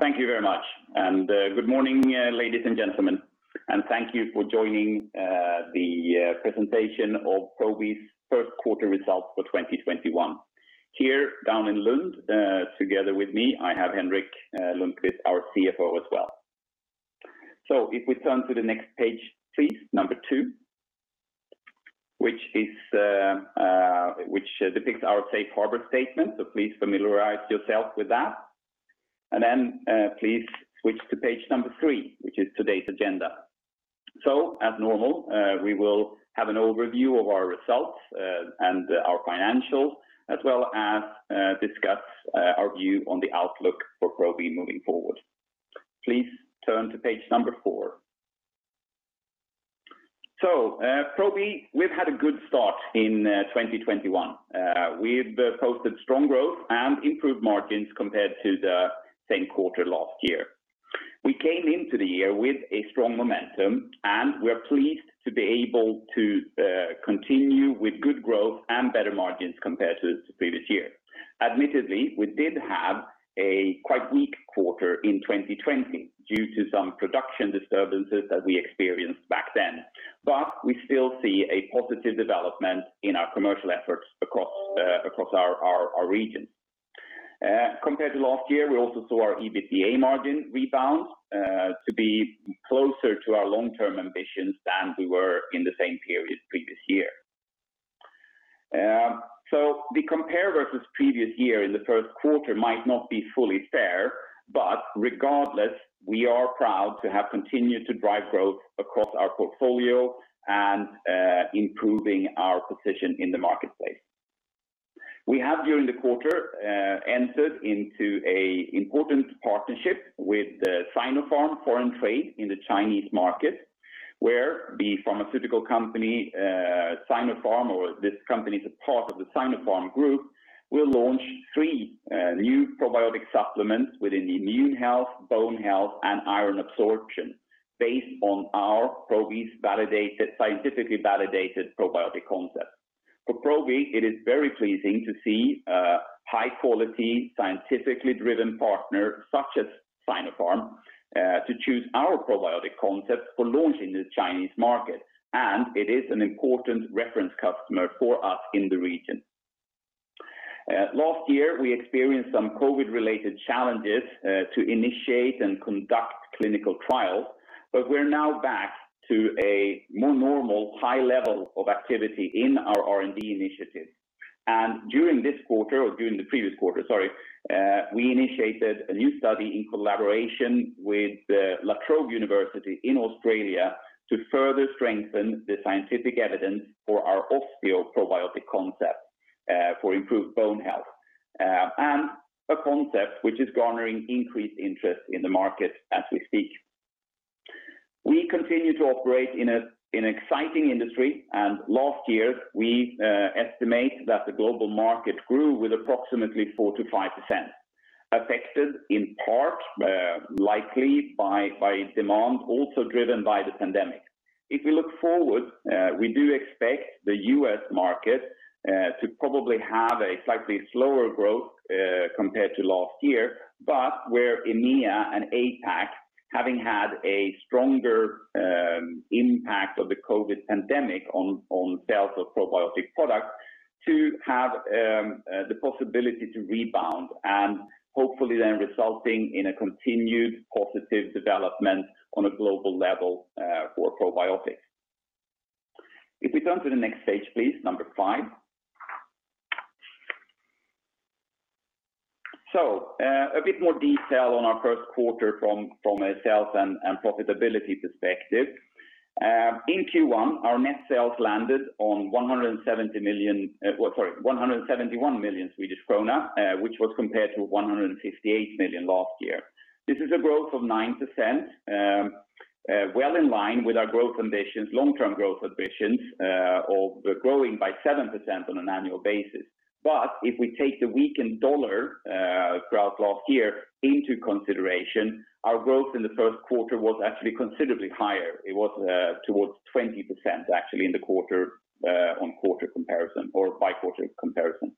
Thank you very much. Good morning, ladies and gentlemen, and thank you for joining the Presentation of Probi's First Quarter Results for 2021. Here, down in Lund, together with me, I have Henrik Lundkvist, our CFO as well. If we turn to the next page, please, number two, which depicts our safe harbor statement. Please familiarize yourself with that. Please switch to page number three, which is today's agenda. As normal, we will have an overview of our results and our financials, as well as discuss our view on the outlook for Probi moving forward. Please turn to page number four. Probi, we've had a good start in 2021. We've posted strong growth and improved margins compared to the same quarter last year. We came into the year with a strong momentum, and we're pleased to be able to continue with good growth and better margins compared to the previous year. Admittedly, we did have a quite weak quarter in 2020 due to some production disturbances that we experienced back then. We still see a positive development in our commercial efforts across our regions. Compared to last year, we also saw our EBITDA margin rebound to be closer to our long-term ambitions than we were in the same period previous year. The compare versus previous year in the first quarter might not be fully fair, but regardless, we are proud to have continued to drive growth across our portfolio and improving our position in the marketplace. We have, during the quarter, entered into an important partnership with Sinopharm Foreign Trade in the Chinese market, where the pharmaceutical company, Sinopharm, or this company is a part of the Sinopharm group, will launch three new probiotic supplements within immune health, bone health, and iron absorption based on our Probi's scientifically validated probiotic concept. For Probi, it is very pleasing to see a high-quality, scientifically driven partner such as Sinopharm to choose our probiotic concept for launching in the Chinese market. It is an important reference customer for us in the region. Last year, we experienced some COVID-related challenges to initiate and conduct clinical trials. We're now back to a more normal high level of activity in our R&D initiatives. During this quarter or during the previous quarter, sorry, we initiated a new study in collaboration with La Trobe University in Australia to further strengthen the scientific evidence for our Probi Osteo probiotic concept for improved bone health, and a concept which is garnering increased interest in the market as we speak. We continue to operate in an exciting industry. Last year, we estimate that the global market grew with approximately 4%-5%, affected in part likely by demand, also driven by the pandemic. If we look forward, we do expect the U.S. market to probably have a slightly slower growth compared to last year, but where EMEA and APAC, having had a stronger impact of the COVID pandemic on sales of probiotic products to have the possibility to rebound and hopefully then resulting in a continued positive development on a global level for probiotics. If we turn to the next page, please, number five. A bit more detail on our first quarter from a sales and profitability perspective. In Q1, our net sales landed on 171 million Swedish krona, which was compared to 158 million last year. This is a growth of 9%, well in line with our long-term growth ambitions of growing by 7% on an annual basis. If we take the weakened U.S. dollar throughout last year into consideration, our growth in the first quarter was actually considerably higher. It was towards 20%, actually, in the quarter-over-quarter comparison or by quarter comparison.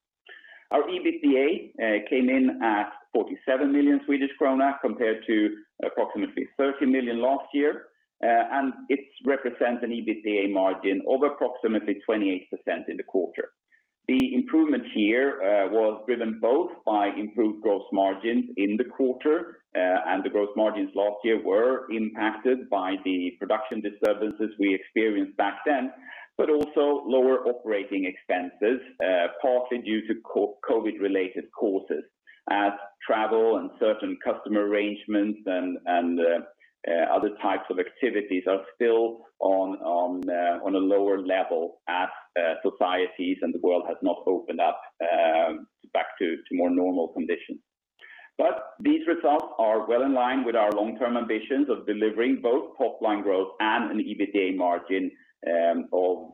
Our EBITDA came in at 47 million Swedish krona compared to approximately 30 million last year, and it represents an EBITDA margin of approximately 28% in the quarter. The improvement here was driven both by improved gross margins in the quarter, and the gross margins last year were impacted by the production disturbances we experienced back then, but also lower operating expenses, partly due to COVID-related causes, as travel and certain customer arrangements and other types of activities are still on a lower level as societies and the world has not opened up back to more normal conditions. These results are well in line with our long-term ambitions of delivering both top-line growth and an EBITDA margin of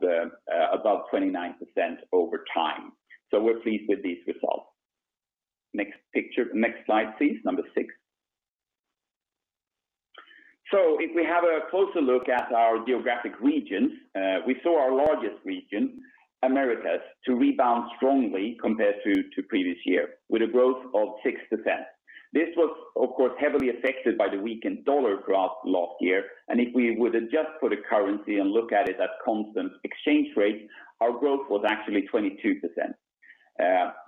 about 29% over time. We're pleased with these results. Next slide, please, number six. If we have a closer look at our geographic regions, we saw our largest region, Americas, to rebound strongly compared to previous year with a growth of 6%. This was, of course, heavily affected by the weakened dollar drop last year. If we would adjust for the currency and look at it at constant exchange rates, our growth was actually 22%.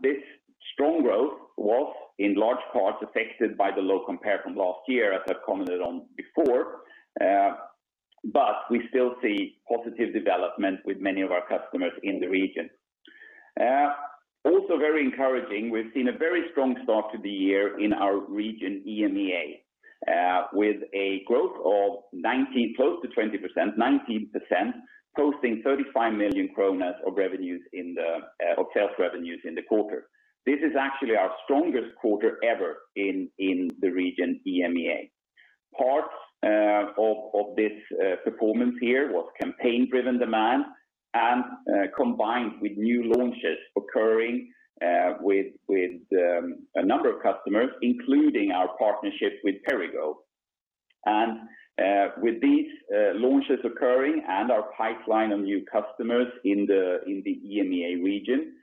This strong growth was in large part affected by the low compare from last year, as I've commented on before. We still see positive development with many of our customers in the region. Also very encouraging, we've seen a very strong start to the year in our region EMEA, with a growth of close to 20%, 19%, posting 35 million kronor of sales revenues in the quarter. This is actually our strongest quarter ever in the region EMEA. Part of this performance here was campaign-driven demand and combined with new launches occurring with a number of customers, including our partnership with Perrigo. With these launches occurring and our pipeline of new customers in the EMEA region,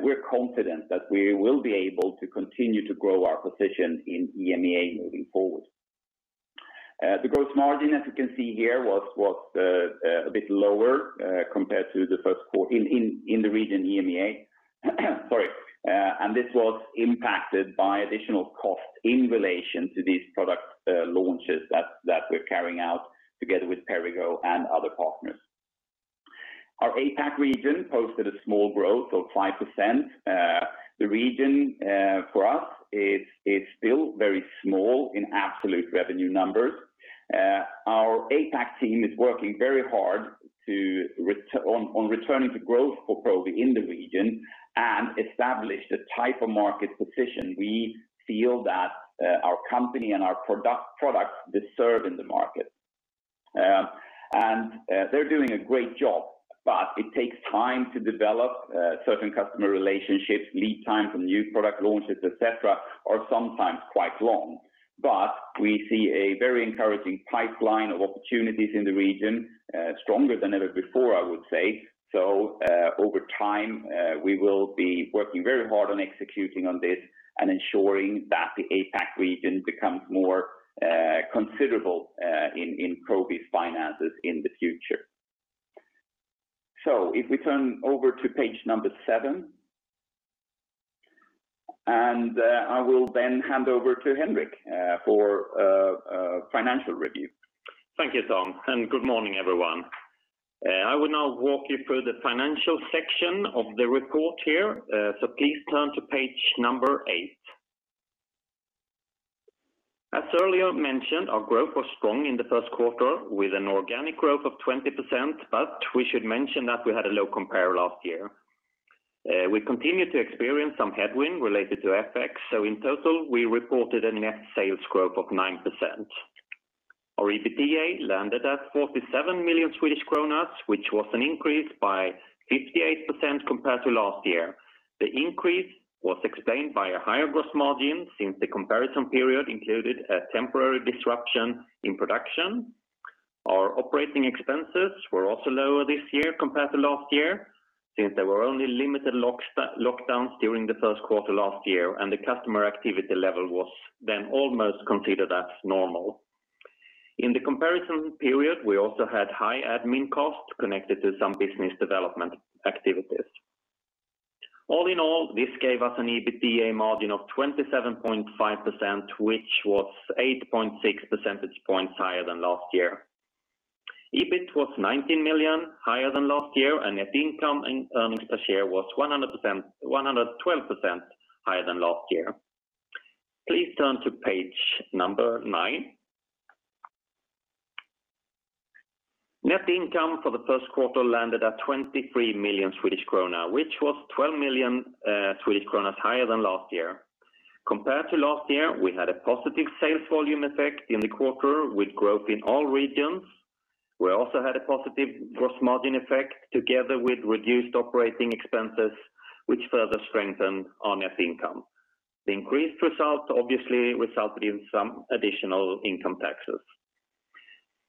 we're confident that we will be able to continue to grow our position in EMEA moving forward. The gross margin, as you can see here, was a bit lower compared to the first quarter in the region EMEA. Sorry. This was impacted by additional costs in relation to these product launches that we're carrying out together with Perrigo and other partners. Our APAC region posted a small growth of 5%. The region, for us, is still very small in absolute revenue numbers. Our APAC team is working very hard on returning to growth for Probi in the region and establish the type of market position we feel that our company and our products deserve in the market. They're doing a great job, but it takes time to develop certain customer relationships, lead time from new product launches, et cetera, are sometimes quite long. We see a very encouraging pipeline of opportunities in the region, stronger than ever before, I would say. Over time, we will be working very hard on executing on this and ensuring that the APAC region becomes more considerable in Probi's finances in the future. If we turn over to page number seven, and I will then hand over to Henrik for financial review. Thank you, Tom. Good morning, everyone. I will now walk you through the financial section of the report here. Please turn to page eight. As earlier mentioned, our growth was strong in the first quarter with an organic growth of 20%, but we should mention that we had a low compare last year. We continued to experience some headwind related to FX, so in total, we reported a net sales growth of 9%. Our EBITDA landed at 47 million Swedish kronor, which was an increase by 58% compared to last year. The increase was explained by a higher gross margin since the comparison period included a temporary disruption in production. Our operating expenses were also lower this year compared to last year, since there were only limited lockdowns during the first quarter last year, and the customer activity level was then almost considered as normal. In the comparison period, we also had high admin costs connected to some business development activities. All in all, this gave us an EBITDA margin of 27.5%, which was 8.6 percentage points higher than last year. EBIT was 19 million higher than last year, and net income in earnings per share was 112% higher than last year. Please turn to page number nine. Net income for the first quarter landed at 23 million Swedish krona, which was 12 million Swedish kronor higher than last year. Compared to last year, we had a positive sales volume effect in the quarter with growth in all regions. We also had a positive gross margin effect together with reduced operating expenses, which further strengthened our net income. The increased results obviously resulted in some additional income taxes.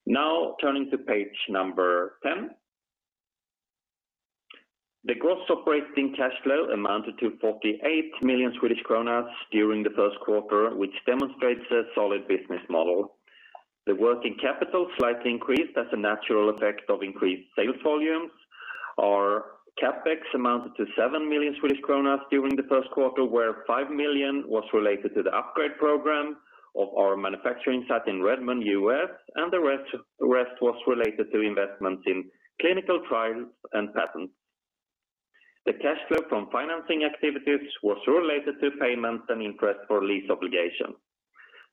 Now turning to page number 10. The gross operating cash flow amounted to 48 million Swedish kronor during the first quarter, which demonstrates a solid business model. The working capital slightly increased as a natural effect of increased sales volumes. Our CapEx amounted to 7 million Swedish kronor during the first quarter, where 5 million was related to the upgrade program of our manufacturing site in Redmond, U.S., and the rest was related to investments in clinical trials and patents. The cash flow from financing activities was related to payments and interest for lease obligation.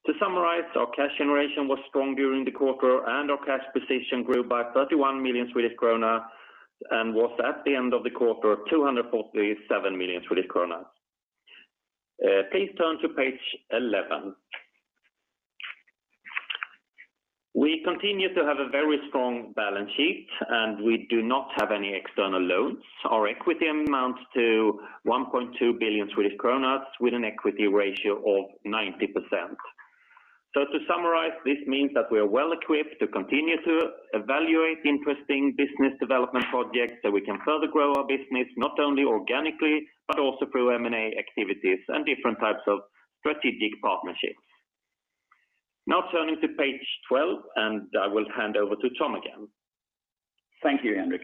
To summarize, our cash generation was strong during the quarter, and our cash position grew by 31 million Swedish krona and was at the end of the quarter 247 million Swedish krona. Please turn to page 11. We continue to have a very strong balance sheet, and we do not have any external loans. Our equity amounts to 1.2 billion Swedish kronor with an equity ratio of 90%. So to summarize, this means that we are well equipped to continue to evaluate interesting business development projects so we can further grow our business, not only organically, but also through M&A activities and different types of strategic partnerships. Turning to page 12, I will hand over to Tom again. Thank you, Henrik.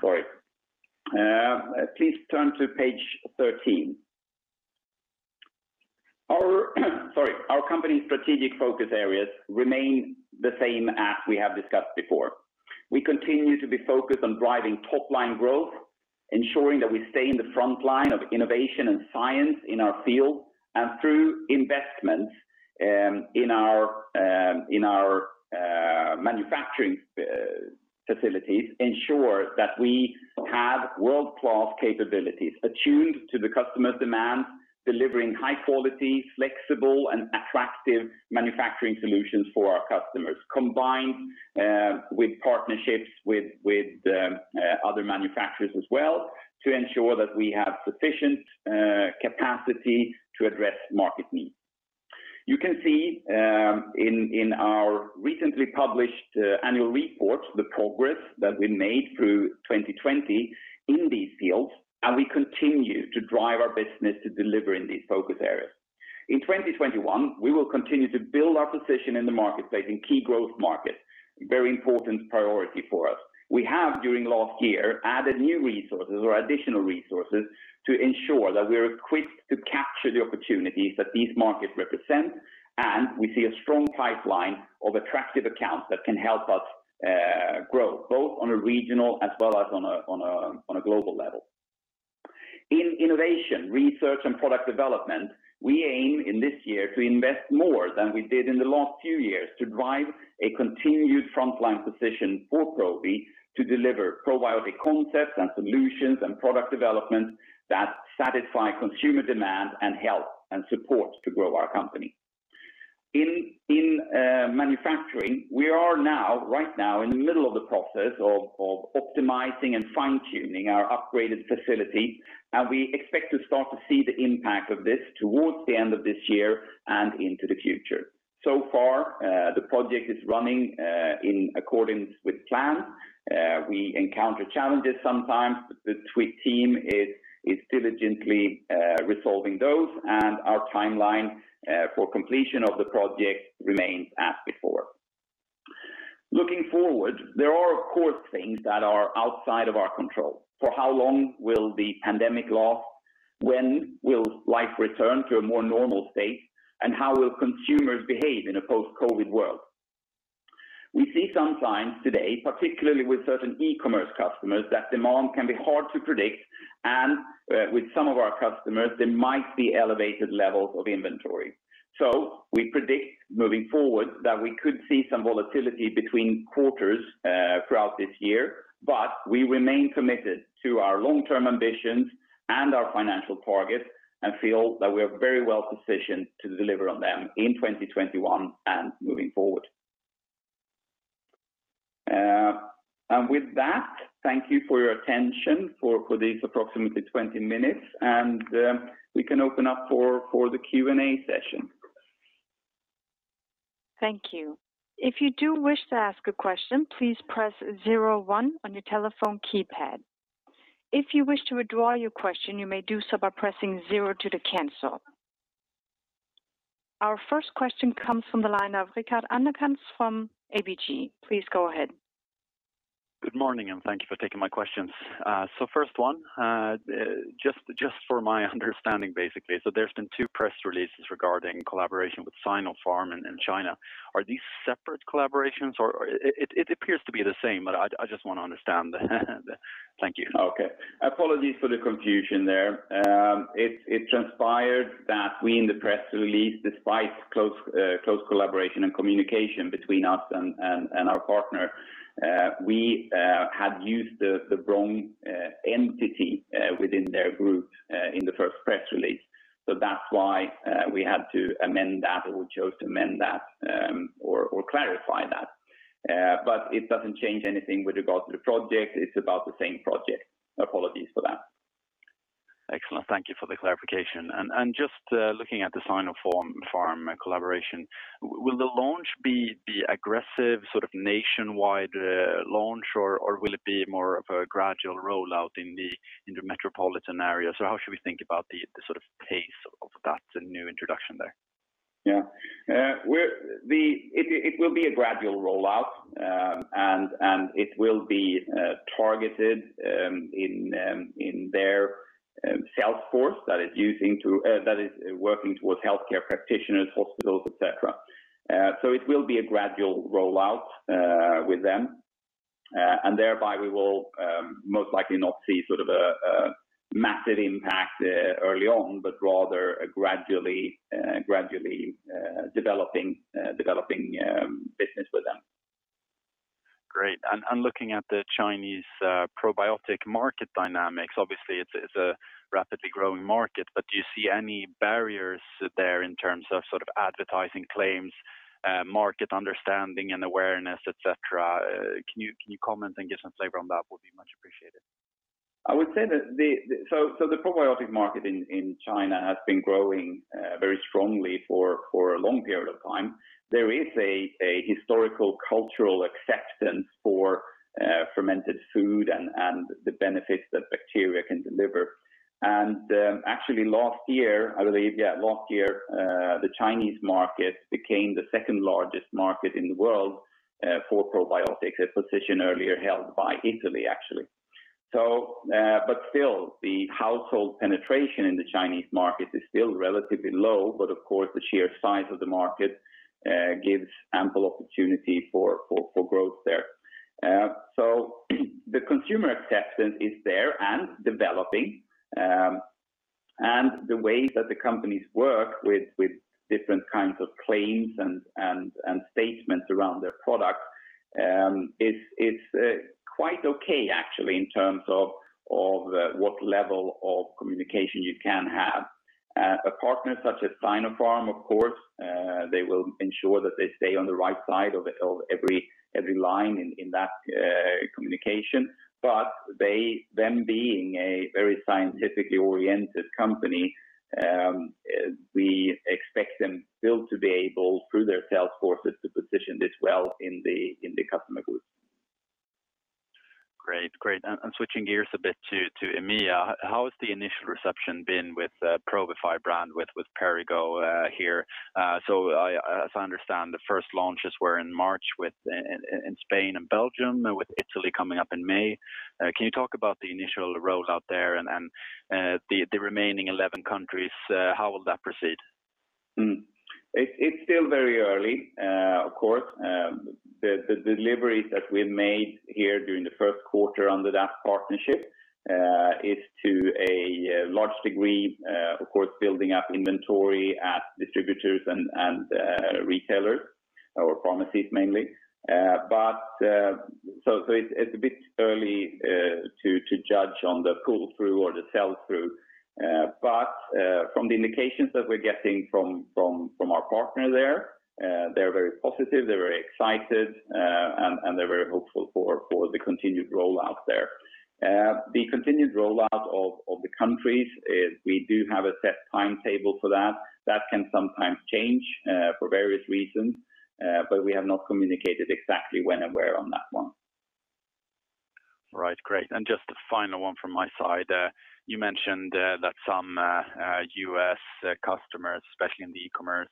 Sorry. Please turn to page 13. Sorry. Our company's strategic focus areas remain the same as we have discussed before. We continue to be focused on driving top-line growth, ensuring that we stay in the front line of innovation and science in our field. Through investments in our manufacturing facilities, ensure that we have world-class capabilities attuned to the customer demand, delivering high quality, flexible, and attractive manufacturing solutions for our customers, combined with partnerships with other manufacturers as well to ensure that we have sufficient capacity to address market needs. You can see in our recently published annual report, the progress that we made through 2020 in these fields, and we continue to drive our business to deliver in these focus areas. In 2021, we will continue to build our position in the market, based in key growth markets, a very important priority for us. We have, during last year, added new resources or additional resources to ensure that we're equipped to capture the opportunities that these markets represent. We see a strong pipeline of attractive accounts that can help us grow, both on a regional as well as on a global level. In innovation, research, and product development, we aim, in this year, to invest more than we did in the last few years to drive a continued frontline position for Probi to deliver probiotic concepts and solutions and product development that satisfy consumer demand and help and support to grow our company. In manufacturing, we are right now in the middle of the process of optimizing and fine-tuning our upgraded facility, and we expect to start to see the impact of this towards the end of this year and into the future. So far, the project is running in accordance with plan. We encounter challenges sometimes, but the team is diligently resolving those, and our timeline for completion of the project remains as before. Looking forward, there are, of course, things that are outside of our control. For how long will the pandemic last? When will life return to a more normal state? How will consumers behave in a post-COVID world? We see some signs today, particularly with certain e-commerce customers, that demand can be hard to predict, and with some of our customers, there might be elevated levels of inventory. We predict, moving forward, that we could see some volatility between quarters throughout this year. We remain committed to our long-term ambitions and our financial targets and feel that we are very well positioned to deliver on them in 2021 and moving forward. With that, thank you for your attention for these approximately 20 minutes, and we can open up for the Q&A session. Thank you. If you do wish to ask a question, please press zero one on your telephone keypad. If you wish to withdraw your question, you may do so by pressing zero two to cancel. Our first question comes from the line of Rickard Anderkrans from ABG. Please go ahead. Good morning, thank you for taking my questions. First one, just for my understanding, basically. There's been two press releases regarding collaboration with Sinopharm in China. Are these separate collaborations, or it appears to be the same, but I just want to understand. Thank you. Okay. Apologies for the confusion there. It transpired that we, in the press release, despite close collaboration and communication between us and our partner, we had used the wrong entity within their group in the first press release. That's why we had to amend that, or we chose to amend that or clarify that. It doesn't change anything with regard to the project. It's about the same project. Apologies for that. Excellent. Thank you for the clarification. Just looking at the Sinopharm collaboration, will the launch be aggressive, sort of nationwide launch, or will it be more of a gradual rollout in the metropolitan area? How should we think about the sort of pace of that new introduction there? Yeah. It will be a gradual rollout, and it will be targeted in their sales force that is working towards healthcare practitioners, hospitals, et cetera. It will be a gradual rollout with them, and thereby, we will most likely not see sort of a massive impact early on, but rather a gradually developing business with them. Great. Looking at the Chinese probiotic market dynamics, obviously, it's a rapidly growing market, but do you see any barriers there in terms of sort of advertising claims, market understanding, and awareness, et cetera? Can you comment and give some flavor on that would be much appreciated? I would say that the probiotic market in China has been growing very strongly for a long period of time. There is a historical cultural acceptance for fermented food and the benefits that bacteria can deliver. Actually last year, I believe, the Chinese market became the second-largest market in the world for probiotics, a position earlier held by Italy, actually. Still, the household penetration in the Chinese market is still relatively low, but of course, the sheer size of the market gives ample opportunity for growth there. The consumer acceptance is there and developing, and the way that the companies work with different kinds of claims and statements around their product is quite okay, actually, in terms of what level of communication you can have. A partner such as Sinopharm, of course, they will ensure that they stay on the right side of every line in that communication. Them being a very scientifically oriented company, we expect them still to be able, through their sales forces, to position this well in the customer groups. Switching gears a bit to EMEA, how has the initial reception been with the Probi FerroSorb brand with Perrigo here? As I understand, the first launches were in March in Spain and Belgium, with Italy coming up in May. Can you talk about the initial rollout there and the remaining 11 countries? How will that proceed? It's still very early, of course. The deliveries that we've made here during the first quarter under that partnership is to a large degree, of course, building up inventory at distributors and retailers or pharmacies mainly. It's a bit early to judge on the pull-through or the sell-through. From the indications that we're getting from our partner there, they're very positive, they're very excited, and they're very hopeful for the continued rollout there. The continued rollout of the countries, we do have a set timetable for that. That can sometimes change for various reasons, but we have not communicated exactly when and where on that one. Right. Great. Just a final one from my side. You mentioned that some U.S. customers, especially in the e-commerce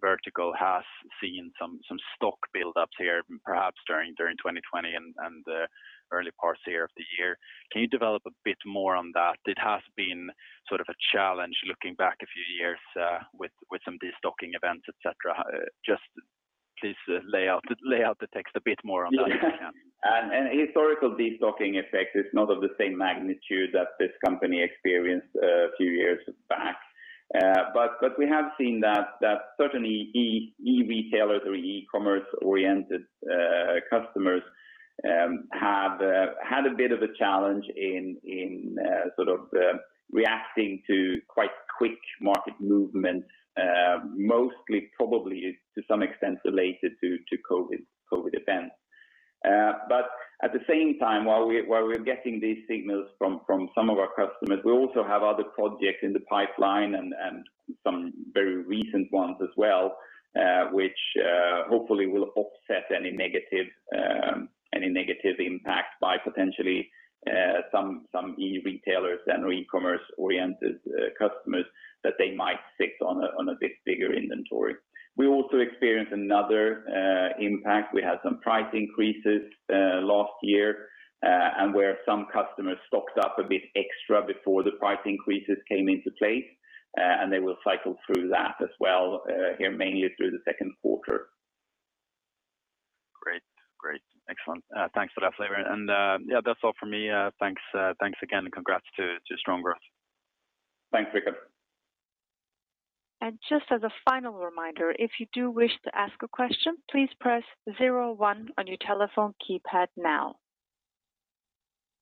vertical, have seen some stock buildups here, perhaps during 2020 and the early parts here of the year. Can you develop a bit more on that? It has been sort of a challenge looking back a few years with some de-stocking events, et cetera. Just please lay out the text a bit more on that if you can. An historical de-stocking effect is not of the same magnitude that this company experienced a few years back. We have seen that certainly e-retailers or e-commerce-oriented customers have had a bit of a challenge in sort of reacting to quite quick market movements, mostly probably to some extent related to COVID events. At the same time, while we're getting these signals from some of our customers, we also have other projects in the pipeline and some very recent ones as well, which hopefully will offset any negative impact by potentially some e-retailers and/or e-commerce-oriented customers that they might sit on a bit bigger inventory. We also experienced another impact. We had some price increases last year, and where some customers stocked up a bit extra before the price increases came into place, and they will cycle through that as well here mainly through the second quarter. Great. Excellent. Thanks for that flavor. Yeah, that's all from me. Thanks again, and congrats to strong growth. Thanks, Rickard. Just as a final reminder, if you do wish to ask a question, please press zero on your telephone keypad now.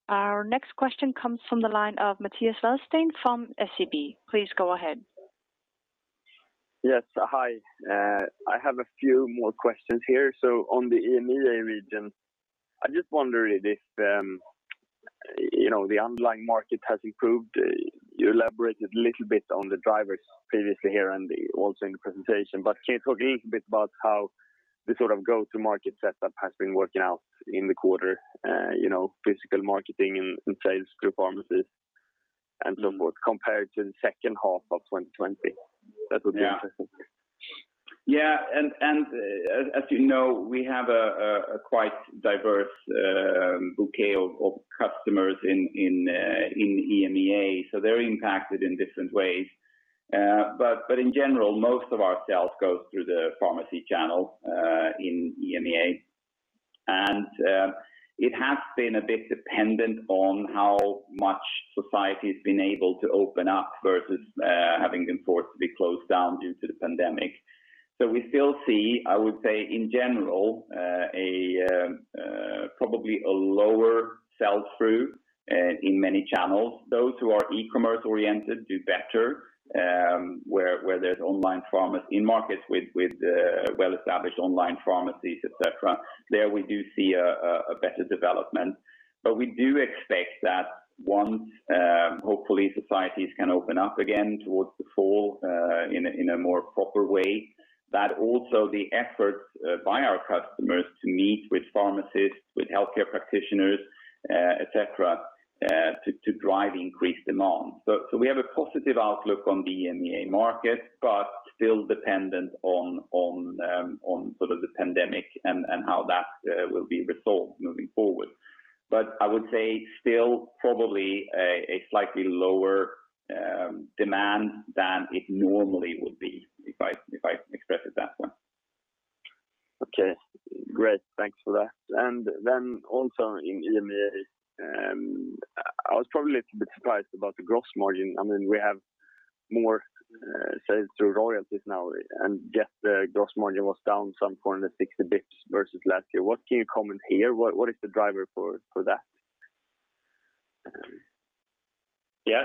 Our next question comes from the line of Mattias Vadsten from SEB. Please go ahead. Yes, hi. I have a few more questions here. On the EMEA region, I'm just wondering if the underlying market has improved. You elaborated a little bit on the drivers previously here and also in the presentation, can you talk a little bit about how the sort of go-to market setup has been working out in the quarter, physical marketing and sales through pharmacies and so forth compared to the second half of 2020? That would be interesting. Yeah. As you know, we have a quite diverse bouquet of customers in EMEA. They're impacted in different ways. In general, most of our sales go through the pharmacy channel in EMEA. It has been a bit dependent on how much society's been able to open up versus having been forced to be closed down due to the pandemic. We still see, I would say in general, probably a lower sell-through in many channels. Those who are e-commerce oriented do better, where there's online pharmacy in markets with well-established online pharmacies, et cetera. There we do see a better development. We do expect that once, hopefully, societies can open up again towards the fall in a more proper way, that also the efforts by our customers to meet with pharmacists, with healthcare practitioners, et cetera, to drive increased demand. We have a positive outlook on the EMEA market, but still dependent on the pandemic and how that will be resolved moving forward. I would say still probably a slightly lower demand than it normally would be, if I express it that way. Okay, great. Thanks for that. Also in EMEA, I was probably a little bit surprised about the gross margin. We have more sales through royalties now, and yet the gross margin was down some 460 basis points versus last year. What can you comment here? What is the driver for that? Yeah.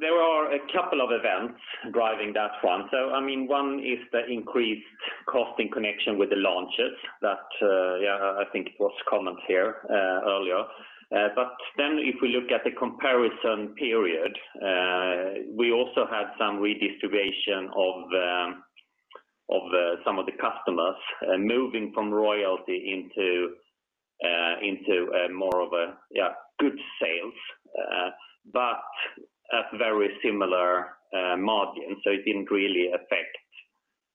There are a couple of events driving that one. One is the increased cost in connection with the launches that I think was commented here earlier. If we look at the comparison period, we also had some redistribution of some of the customers moving from royalty into more of a goods sales. At very similar margin, so it didn't really affect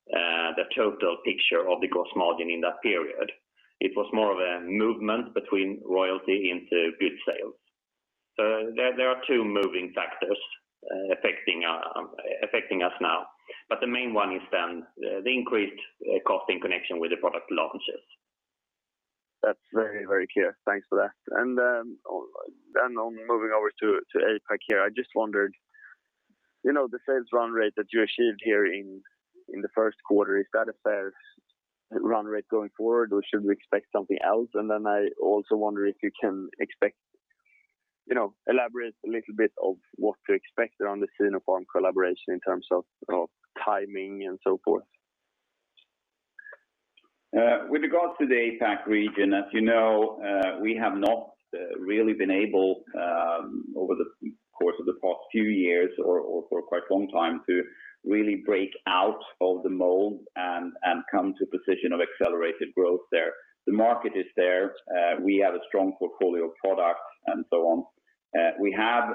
the total picture of the gross margin in that period. It was more of a movement between royalty into goods sales. There are two moving factors affecting us now. The main one is then the increased cost in connection with the product launches. That's very clear. Thanks for that. On moving over to APAC here, I just wondered, the sales run rate that you achieved here in the first quarter, is that a fair run rate going forward, or should we expect something else? I also wonder if you can elaborate a little bit of what to expect around the Sinopharm collaboration in terms of timing and so forth. With regards to the APAC region, as you know, we have not really been able, over the course of the past few years or for quite a long time, to really break out of the mold and come to a position of accelerated growth there. The market is there. We have a strong portfolio of products and so on. We have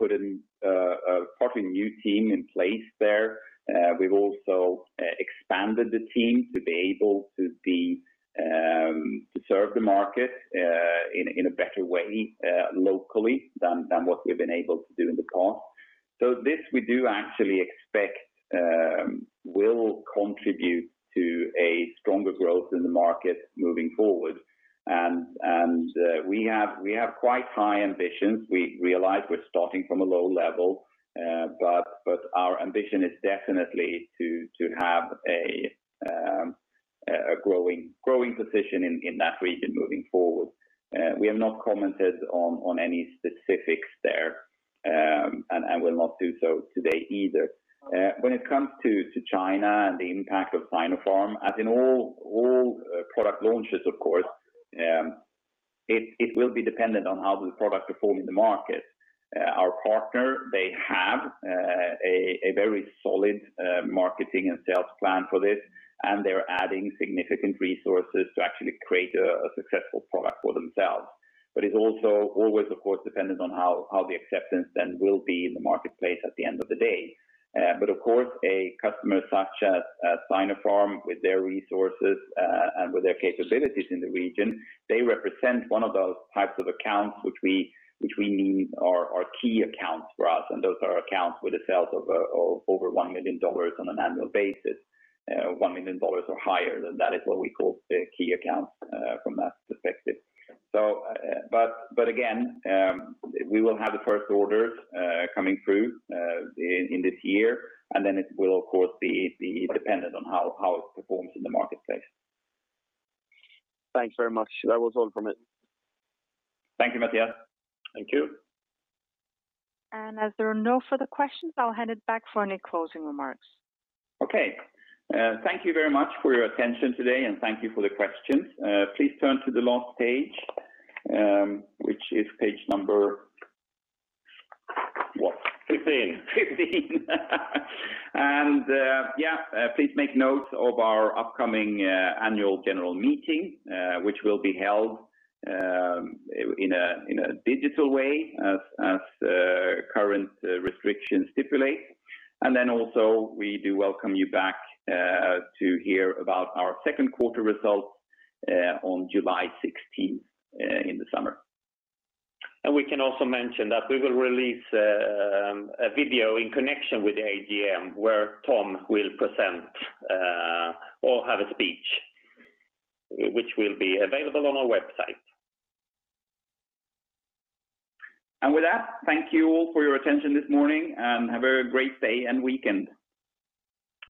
put a partly new team in place there. We've also expanded the team to be able to serve the market in a better way locally than what we've been able to do in the past. This we do actually expect will contribute to a stronger growth in the market moving forward. We have quite high ambitions. We realize we're starting from a low level. Our ambition is definitely to have a growing position in that region moving forward. We have not commented on any specifics there, and I will not do so today either. When it comes to China and the impact of Sinopharm, as in all product launches, of course, it will be dependent on how the product performs in the market. Our partner, they have a very solid marketing and sales plan for this, and they're adding significant resources to actually create a successful product for themselves. It's also always, of course, dependent on how the acceptance then will be in the marketplace at the end of the day. Of course, a customer such as Sinopharm with their resources and with their capabilities in the region, they represent one of those types of accounts which we need are key accounts for us, and those are accounts with a sales of over $1 million on an annual basis, $1 million or higher, then that is what we call key accounts from that perspective. Again, we will have the first orders coming through in this year, and then it will, of course, be dependent on how it performs in the marketplace. Thanks very much. That was all from me. Thank you, Mattias. Thank you. As there are no further questions, I'll hand it back for any closing remarks. Okay. Thank you very much for your attention today, and thank you for the questions. Please turn to the last page, which is page number what? 15. Please make note of our upcoming annual general meeting, which will be held in a digital way as current restrictions stipulate. We do welcome you back to hear about our second quarter results on July 16th in the summer. We can also mention that we will release a video in connection with the AGM where Tom will present or have a speech, which will be available on our website. With that, thank you all for your attention this morning, and have a great day and weekend.